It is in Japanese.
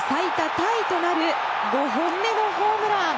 タイとなる５本目のホームラン。